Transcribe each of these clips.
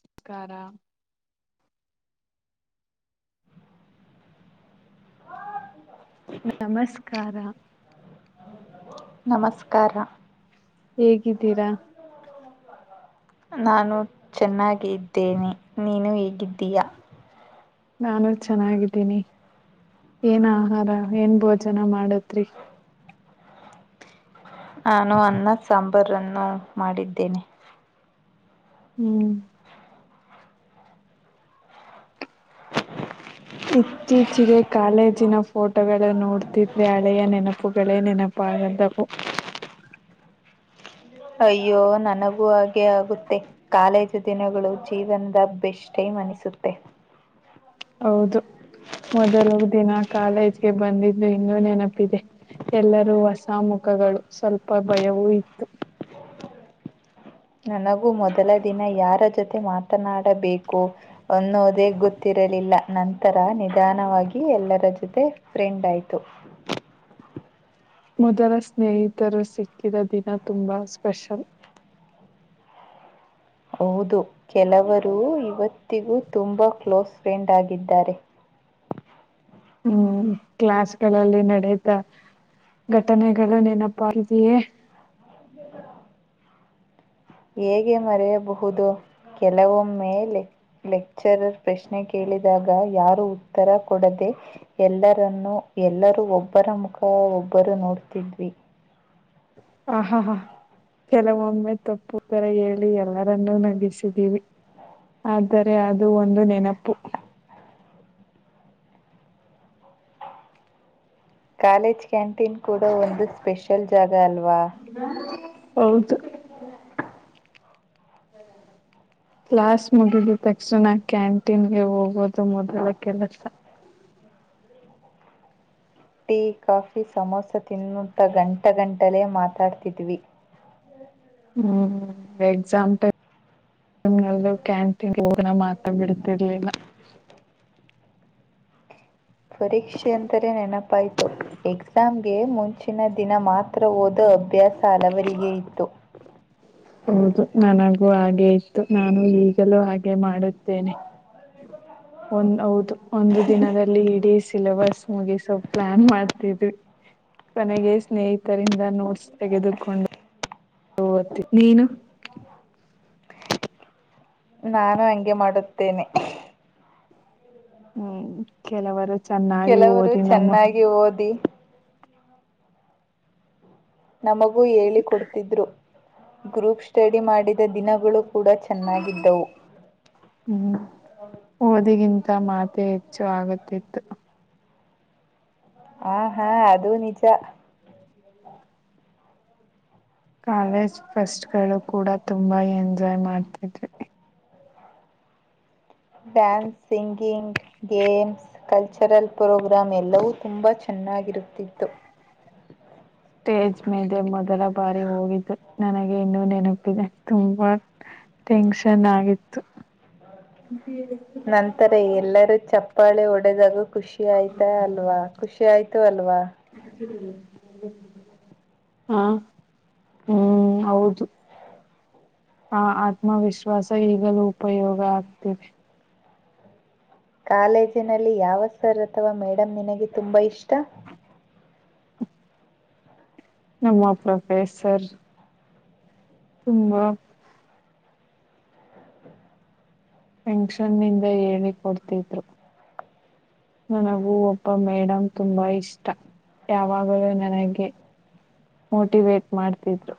ನಮಸ್ಕಾರ ಹ ನಮಸ್ಕಾರ ನಮಸ್ಕಾರ ಹೇಗಿದ್ದೀರಾ ನಾನು ಚೆನ್ನಾಗ ಇದ್ದೇನೆ ನೀನು ಹೇಗಿದ್ದೀಯಾ ನಾನು ಚೆನ್ನಾಗಿದ್ದೀನಿ ಏನ್ ಆಹಾರ ಏನ್ ಭೋಜನ ಮಾಡತ್ರಿ ನಾನು ಅನ್ನದ ಸಾಂಬಾರನ್ನು ಮಾಡಿದ್ದೇನೆ ಹ್ಮ್ ಇತ್ತೀಚಿಗೆ ಕಾಲೇಜಿನ ಫೋಟೋಗಳ ನೋಡ್ತಿದ್ರೆ ಹಳೆಯ ನೆನಪುಗಳೇ ನೆನಪ ಕ್ಕು ಅಯ್ಯೋ ನನಗೂ ಹಾಗೆ ಆಗುತ್ತೆ ಕಾಲೇಜು ದಿನಗಳು ಜೀವನ್ದ ಬೆಸ್ಟ್ ಟೈಮ್ ಮನಿಸುತ್ತೆ ಹೌದು ಮೊದಲ ದಿನ ಕಾಲೇಜ್ಗೆ ಬಂದಿದ್ದು ಇನ್ನೂ ನೆನಪಿದೆ ಎಲ್ಲರೂ ಹೊಸ ಮುಖಗಳು ಸ್ವಲ್ಪ ಭಯವೂ ಇತ್ತು ನನಗೂ ಮೊದಲ ದಿನ ಯಾರ ಜೊತೆ ಮಾತನಾಡಬೇಕು ಅನ್ನೋದೇ ಗೊತ್ತಿರಲ್ಲ ನಂತರ ನಿಧಾನವಾಗಿ ಎಲ್ಲರ ಜೊತೆ ಫ್ರೆಂಡ್ ಆಯ್ತು ಮೊದಲ ಸ್ನೇಹಿತರು ಸಿಕ್ಕಿದ ದಿನ ತುಂಬಾ ಸ್ಪೆಷಲ್ ಹೌದು ಕೆಲವರು ಇವತ್ತಿಗೂ ತುಂಬಾ ಕ್ಲೋಸ್ ಫ್ರೆಂಡ್ ಆಗಿದ್ದಾರೆ ಹ್ಮ್ ಕ್ಲಾಸ್ಗಳಲ್ಲಿ ನಡತಾ ಘಟನೆಗಳು ನೆನಪಾಗಿದೆಯೇ ಹೇಗೆ ಮರೆಯಬಹುದು ಕೆಲವೊಮ್ಮ ಮೇಲೆ ಲೆಕ್ಚರರ್ ಪ್ರಶ್ನೆ ಕೇಳಿದಾಗ ಯಾರು ಉತ್ತರ ಕೊಡದೆ ಎಲ್ಲರನ್ನು ಎಲ್ಲರೂ ಒಬ್ಬರ ಮುಖ ಒಬ್ಬರು ನೋಡ್ತಿದ್ವಿ ಹ ಹಾ ಹಾ ಕೆಲವೊಮ್ಮೆ ತಪ್ಪು ತರ ಹೇಳಿ ಎಲ್ಲರನ್ನೂ ನಗಿಸಿದೀವಿ ಆದರೆ ಅದು ಒಂದು ನೆನಪು ಕಾಲೇಜ್ ಕ್ಯಾಂಟೀನ್ ಕೂಡ ಒಂದು ಸ್ಪೆಷಲ್ ಜಾಗ ಅಲ್ವಾ ಹೌದು ಕ್ಲಾಸ್ ಮುಗಿದ ತಕ್ಷಣ ಕ್ಯಾಂಟೀನ್ಗೆ ಹೋಗೋದು ಮೊದಲ ಕೆಲಸ [inaudible] ಟೀ ಕಾಫಿ ಸಮೋಸ ತಿನ್ನುತ್ತಾ ಗಂಟ ಗಂಟಲೆೇ ಮಾತಾಡ್ತಿದ್ವಿ [unintelligible] ಹ್ಮ್ ಎಕ್ಸಾಂಪಲ್ ಕ್ಯಾಂಟೀನ್ ಹ ಮಾತಾಡ್ ರ್ಲಿಲ್ಲ ಪರೀಕ್ಷೆ ಅಂತರೆ ನೆನಪಾಯ್ತು ಎಕ್ಸಾಮ್ಗೆ ಮುಂಚಿನ ದಿನ ಮಾತ್ರ ಓಧುದು ಅಭ್ಯಾಸ ಹಲವರಿಗೆ ಇತ್ತು [inaudible] ಹೌದು ನನಗೂ ಹಾಗೆ ಇತ್ತು ನಾನು ಈಗಲೂ ಹಾಗೆ ಮಾಡುತ್ತೇನೆ ಒಂದ ಹೌದು ಒಂದು ದಿನದಲ್ಲಿ ಇಡೀ ಸಿಲೆಬಸ್ ಮುಗಧಾ ಸ್ವಲ್ ಪ್ಲಾನ್ ಮಾಡ್ತಿದ್ವಿ ಕೊನೆಗೆ ಸ್ನೇಹಿತರಿಂದ ನೋಟ್ಸ್ ತೆಗೆದುಕೊಂಡು ಹತ್ತ ನೀನು ನಾನು ಹಂಗೆ ಮಾಡುತ್ತೇನೆ ಹ್ಮ್ ಕೆಲವರು ಚೆನ್ನಾಗಿ ಕೆಲವರು ಓದಿ ನಮ್ಮ ಚೆನ್ನಾಗಿ ಓದಿ ನಮಗೂ ಹೇಳಿಕೊಡ್ತಿದ್ರು ಗ್ರೂಪ್ ಸ್ಟಡಿ ಮಾಡಿದ ದಿನಗಳು ಕೂಡ ಚೆನ್ನಾಗಿದ್ದವು. ಹ್ಮ ಒದಗ ಮಾತೆ ಹೆಚ್ಚು ಆಗುತ್ತಿತ್ತು ಹ ಹಾ ಅದು ನಿಜ ಕಾಲೇಜ್ ಫಸ್ಟ್ಗಳು ಕೂಡ ತುಂಬಾ ಎಂಜಾಯ್ ಮಾಡ್ತಿದ್ವಿ dance singing games cultural programme ಎಲ್ಲವೂ ತುಂಬಾ ಚೆನ್ನ ಚೆನ್ನಾಗಿರುತ್ತಿತ್ತು [unintelligible] ಸ್ಟೇಜ್ ಮೇಲೆ ಮೊದಲ ಬಾರಿ ಹೋಗಿದ್ದು ನನಗೆ ಇನ್ನೂ ನೆನಪಿದೆ ತುಂಬಾ ಟೆನ್ಷನ್ ಆಗಿತ್ತು ನಂತರ ಎಲ್ಲರೂ ಚಪ್ಪಾಳೆ ಹೊಡೆದರು.. ಖುಷಿ ಆಯ್ತಾ ಅಲ್ವಾ ಖುಷಿ ಆಯ್ತು ಅಲ್ವಾ.. ಹಾ.. ಹ್ಮ್ ಹೌದು.. ಆ ಆತ್ಮವಿಶ್ವಾಸ ಈಗಲೂ ಉಪಯೋಗ ಆಗ್ತಿದೆ.. ಕಾಲೇಜಿನಲ್ಲಿ ಯಾವ ಸರ್ ಅಥವಾ ಮೇಡಮ್ ನಿನಗೆ ತುಂಬಾ ಇಷ್ಟ.. ನಮ್ಮ ಪ್ರೊಫೆಸರ್.. ತುಂಬಾ ೆಂಷನ್ನಂದ ಹೇಳಿ ಕೊಡ್ತಿದ್ರು ನನಗೂ ಒಬ್ಬ ಮೇಡಮ್ ತುಂಬಾ ಇಷ್ಟ ಯಾವಾಗಲೂ ನನಗೆ ಮೋಟಿವೇಟ್ ಮಾಡ್ತಿದ್ರು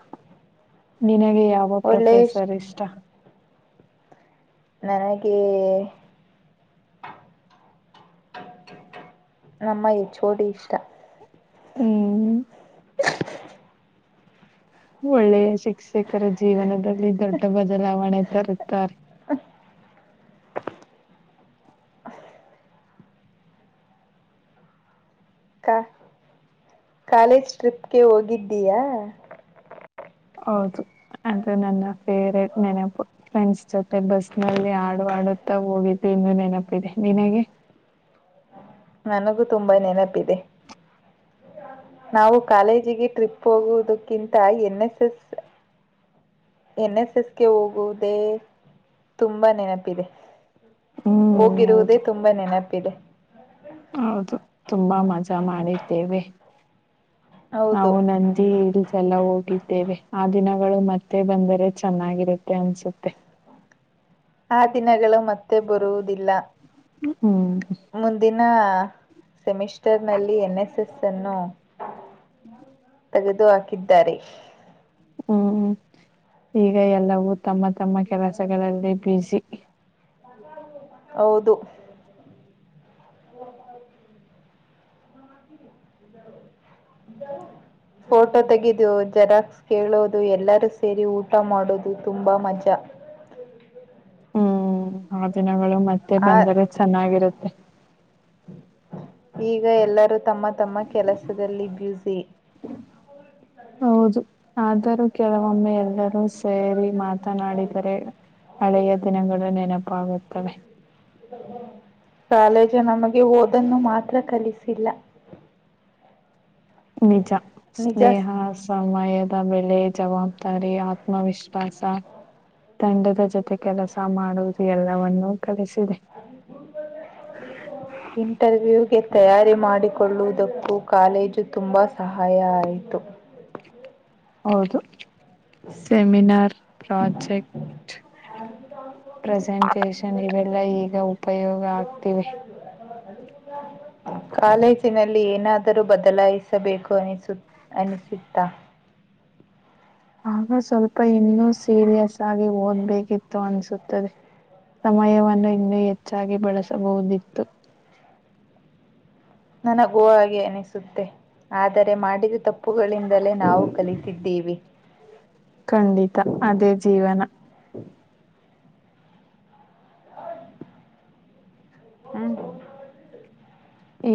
ಗೆ ಯಾವ ಒಳ್ಳೆ ಪ್ರೊಫೆಸರ್ ಇಷ್ಟ ನನಗೆ ನಮ್ಮ ಚೋಡಿ ಇಷ್ಟ ಹ್ಮ್ ಒಳ್ಳೆಯ ಶಿಕ್ಷಕರ ಜೀವನದಲ್ಲಿ ದೊಡ್ಡ ಬದಲಾವಣೆ ರ್ತಾರೆ ಕಾ ಕಾಲೇಜ್ ಟ್ರಿಪ್ಗೆ ಹೋಗಿದ್ದೀಯಾ ಹೌದು ಅಂದ್ರೆ ನನ್ನ ಫೇವ್ರೇಟ್ ನೆನ ಫ್ರೆಂಡ್ಸ್ ಜೊತೆ ಬಸ್ ನಲ್ಲಿ ಆಡ. ಮಾಡುತ್ತಾ ಹೋಗಿದ್ದು ಇನ್ನ ನೆನಪಿದೆ ನಿನಗೆ ನನಗೂ ತುಂಬಾ ನೆನಪಿದೆ ನಾವು ಕಾಲೇಜಿಗೆ ಟ್ರಿಪ್ ಹೋಗುವುದಕ್ಕಿಂತ N S S N S ಎಸ್ಗೆ ಹೋಗುವುದೇ ತುಂಬಾ ನೆನಪಿದೆ ಹ್ಮ್ ಹೋಗಿರುವುದೇ ಹೌದು ತುಂಬಾ ನೆನಪಿದೆ ಹೌದು ತುಂಬಾ ಮಜಾ ಮಾಡಿದ್ದೇವೆ ಹೌ ಹೌದು, ನಂದಿ ಹೇಳ ಎಲ್ಲ ಹೋಗಿದ್ದೇವೆ ಆ ದಿನಗಳು ಮತ್ತೆ ಬಂದರೆ ಚೆನ್ನಾಗಿರುತ್ತೆ ಅನ್ಸುತ್ತೆ ಆ ದಿನಗಳು ಮತ್ತೆ ಬರುವುದಿಲ್ಲ ಹ್ಮ ನ ಸೆಮಿಸ್ಟರ್ ನಲ್ಲಿ ಎನ್ ಎಸ್ ಎಸ್ ಸನ್ನು ತೆಗೆದುಹಾಕಿದ್ದಾರೆ ಹ್ಮ್ ಹ್ಮ ಈಗ ಎಲ್ಲವೂ ತಮ್ಮ ತಮ್ಮ ಕೆಲಸಗಳಲ್ಲಿ ಬಸ ಹೌದು ಹ. ಹ [unintelligible] ಫೋಟೋ ತೆಗೆದು ಜೆರಾಕ್ಸ್ ಕೇಳೋದು ಎಲ್ಲಾರೂ ಸೇರಿ ಊಟ ಮಾಡೋದು ತುಂಬಾ ಮಜಾ [unintelligible] ಹ್ಮ್ ಆ ದಿನಗಳು ಮತ್ತೆ ಆ ಬಂದರೆ ಚೆನ್ನಾಗಿರುತ್ತೆ ಈಗ ಎಲ್ಲರೂ ತಮ್ಮ ತಮ್ಮ ಕೆಲಸದಲ್ಲಿ ಬ್ಯೂಸಿ ಹೌದು ಆದರೂ ಕೆಲವೊಮ್ಮೆ ಎಲ್ಲರೂ ಸೇರಿ ಮಾತನಾಡಿದರೆ ಹಳೆಯ ದಿನಗಳು ನೆನಪ ಆಗುತಾವೇ ಕಾಲೇಜು ನಮಗೆ ಹಓದನ್ನು ಮಾತ್ರ ಕಲಿಸಿಲ್ಲ. ನಿಜ ನಿಜ ಸ್ನೇಹ ಸಮಯದ ಬೆಲೆ, ಜವಾಬ್ದಾರಿ ಆತ್ಮವಿಶ್ವಾಸ ತಂಡದ ಜೊತೆ ಕೆಲಸ ಮಾಡುವುದು ಎಲ್ಲವವನ್ನು, ಇಂಟರ್ವ್ಯೂ. ತಯಾರಿ ಮಾಡಿಕೊಳ್ಳುವುದಕ್ಕೂ ಕಾಲೇಜು ತುಂಬ ಸಹಾಯ ಆಯಿತು. ಹೌದು. ಸಮಿನಾರ್ ಪ್ರಾಜೆಕ್ಟ್. ಪ್ರೆಸೆಂಟೇಶನ್ ಇವೆಲ್ಲ ಈಗ ಉಪಯೋಗ ಆಗ್ತಿವಿ. [unintelligible] ಕಾಲೇಜಿನಲ್ಲಿ ಏನಾದರೂ ಬದಲಾಯಿಸಬೇಕು ಅನಿಸು ಅನಿಸತ್ತಾ. [unintelligible] ಆಗ ಸ್ವಲ್ಪ ಇನ್ನೂ ಸೀರಿಯಸ್ ಆಗಿ ಓದ್ಬೇಕಿತ್ತು ಅನ್ಸುತ್ತದೆ ಸಮಯವನ್ನು ಇನ್ನೂ ಹೆಚ್ಚಾಗಿ ಬಳಸಬಹುದಿತ್ತು. ನನಗೂ ಹಾಗೆ ಅನಿಸುತ್ತೆ ಆದರೆ ಮಾಡಿದ, ತಪ್ಪುಗಳಿಂದಲೇ ನಾವು ಕಲಿತಿದ್ದೇವೆ. ಖಂಡಿತ ಅದೇ ಜೀವನ. ಹ್ಮ್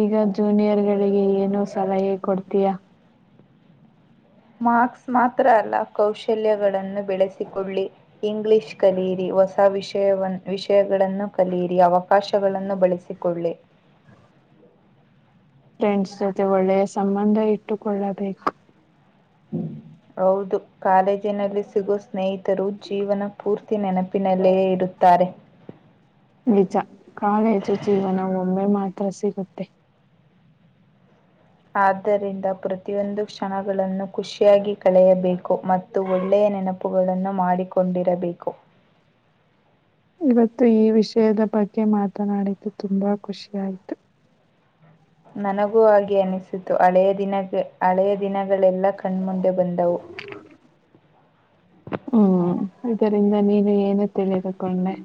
ಈಗ ಜೂನಿಯರ್ಗಳಿಗೆ ಏನು ಸಲಹೆ ಕೊಡ್ತೀಯಾ. ಮಾರ್ಕ್ಸ್ ಮಾತ್ರ ಅಲ್ಲ ಕೌಶಲ್ಯಗಳನ್ನು ಬೆಳೆಸಿಕೊಳ್ಳಿ ಇಂಗ್ಲಿಷ್ ಕಲಿಯಿರಿ. ಹೊಸ ವಿಷಯವನ್ನು ವಿಷಯ. ಗಳನ್ನು ಕಲಿಯಿರಿ ಅವಕಾಶಗಳನ್ನು ಬಳಸಿಕೊಳ್ಳಿ. ಫ್ರೆಂಡ್ಸ್ ಜೊತೆ ಒಳ್ಳೆಯ ಸಂಬಂಧ ಇಟ್ಟುಕೊಳ್ಳಬೇಕು. ಹೌದು ಕಾಲೇಜಿನಲ್ಲಿ ಸಿಗೋ ಸ್ನೇಹಿತರು ಜೀವನ ಪೂರ್ತಿ ನೆನಪಿನಲ್ಲಯೇ ಇರುತ್ತೆ, ತಾರೆ. ನಿಜ ಕಾಲೇಜು ಜೀವನ ಒಮ್ಮೆ ಮಾತ್ರ ಸಿಗುತ್ತೆ ಆದ್ದರಿಂದ ಪ್ರತಿಯೊಂದು ಕ್ಷಣಗಳನ್ನು ಖುಷಿಯಾಗಿ ಕಳೆಯಬೇಕು ಮತ್ತು ಒಳ್ಳೆಯ, ನೆನಪುಗಳನ್ನು ಮಾಡಿಕೊಂಡಿರಬೇಕು. [unintelligible] ಇವತ್ತು ಈ ವಿಷಯದ ಬಗ್ಗೆ ಮಾತನಾಡಿದ್ದು ತುಂಬಾ ಖುಷಿ ಆಯಿತು. ನನಗೂ ಹಾಗೆ ಅನಿಸಿತು ಹಳೆಯ ದಿನಕ್ಕೆ, ಹಳೆಯ ದಿನಗಳೆಲ್ಲ ಕಣ್ಮುಂದೆ ಬಂದವು. ಹ್ಮ್ ಇದರಿಂದ ನೀನು ಏನು ತಿಳಿದುಕೊಂಡೆ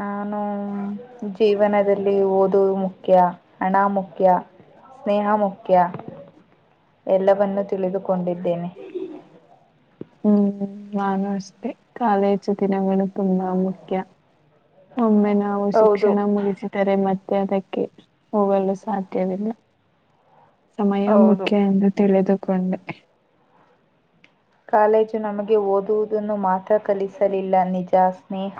ನಾನು ಜೀವನದಲ್ಲಿ ಓದುವ ಮುಖ್ಯ ಹಣ ಮುಖ್ಯ ಸ್ನೇಹ ಮುಖ್ಯ ಎಲ್ಲವನ್ನೂ ತಿಳಿದುಕೊಂಡಿದ್ದೇನೆ. ಹ್ಮ್ ನಾನು ಅಷ್ಟೇ ಕಾಲೇಜು ದಿನಗಳು ತುಂಬಾ ಮುಖ್ಯ. ಒಮ್ಮೆ ನಾವು ಹೌದು ಶಿಕ್ಷಣ ಮುಗಿಸಿದರೆ ಮತ್ತೆ, ಅದಕ್ಕೆ ಹೋಗಲು ಸಾಧ್ಯವಿಲ್ಲ. ಸಮಯ ಹೌದು ಮುಖ್ಯ ಎಂದು ತಿಳಿದುಕೊಂಡೆ. ಕಾಲೇಜು ನಮಗೆ ಓದುವುದನ್ನು ಮಾತ್ರ, ಕಲಿಸಲಿಲ್ಲ ನಿಜ ಸ್ನೇಹ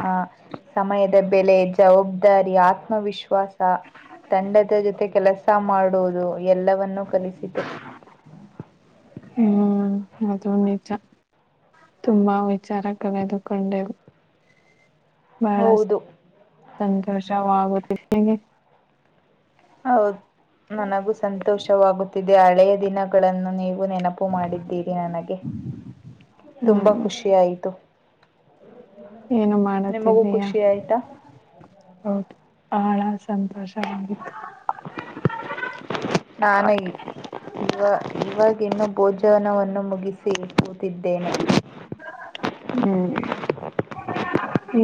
ಸಮಯದ. ಬೆಲೆ ಜವಾಬ್ದಾರಿ ಆತ್ಮವಿಶ್ವಾಸ ತಂಡದ ಜೊತೆ. ಕೆಲಸ ಮಾಡುವುದು ಎಲ್ಲವನ್ನು. ಹ್ಮ್ ಅದು ನಿಜ ತುಂಬಾ ವಿಚಾರ ಕಳೆದುಕೊಂಡೆವು ಬಹಳ ಹೌದು, ಸಂತೋಷವಾಗುತ್ತ ನಿನಗೆ. ಹೌದು ನನಗೂ ಸಂತೋಷವಾಗುತ್ತಿದೆ ಹಳೆಯ ದಿನಗಳನ್ನು ನೀವು ನೆನಪು ಮಾಡಿದ್ದೀರಿ ನನಗೆ ತುಂಬಾ ಹ್ಮ್ ಖುಷಿ ಆಯ್ತು. ಏನು ನಿಮಗೂ ಮಾಡುತ್ತಿದ್ದೀಯಾ ಖುಷಿಯಾಯ್ತಾ? ಹೌದು ಬಹಳ ಸಂತೋಷ ಹ ಹ ನಾನು ಇವ ಇವಾಗ ಇನ್ನು ಭೋಜನವನ್ನು ಮುಗಿಸಿ ಕೂತಿದ್ದೇನೆ ಹ್ಮ್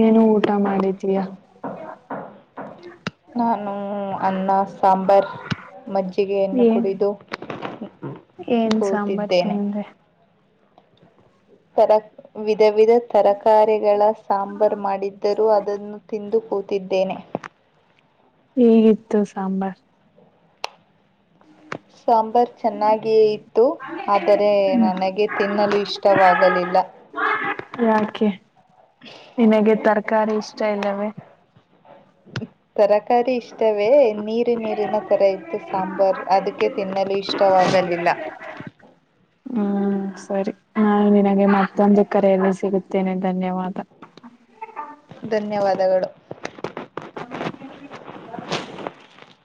ಏನು ಊಟ ಮಾಡಿದಿಯಾ? ಹ ನಾನು ಅನ್ನ ಸಾಂಬಾರ್ ಮಜ್ಜಿಗೆಯನ್ನು ಏನ್ ಕುಡಿದು ಏನ್ ಸಾಂಬಾರ್ ಕೂತಿದ್ದೇನೆ ತಿಂದೆ ಸರ ವಿ ವಿಧ ವಿಧ ತರಕಾರಿಗಳ ಸಾಂಬಾರ್ ಮಾಡಿದ್ದರೂ ಅದನ್ನು ತಿಂದು ಕೂ ತಿದ್ದೇನೆ ಹೇಗಿತ್ತು ಸಾಂಬಾರ್ ಸಾಂಬಾರ್ ಚೆನ್ನಾಗಿಯ ಇತ್ತು ಆದರೆ ನನಗೆ ತಿನ್ನಲು ಇಷ್ಟವಾಗಲಿಲ್ಲ ಇಲ್ಲ ಯಾಕೆ ನಿನಗೆ ತರಕಾರಿ ಇಷ್ಟ ಇಲ್ಲವೇ ತರಕಾರಿ ಇಷ್ಟವೆೇ ನೀರಿ ನೀರಿನ ತರ ಇತ್ತು ಸಾಂಬಾರ್ ಅದಕ್ಕೆ ತಿನ್ನಲು ಇಷ್ಟವಾಗಲಿಲ್ಲ ಹ್ಮ್ ಸರಿ ನಾ ನಿನಗೆ ಮತ್ತೊಂದು ಕರೆಯಲ್ಲಿ ಸಿಗುತ್ತೇನೆ ಧನ್ಯವಾದ ಧನ್ಯವಾದಗಳು ಹ [inaudible]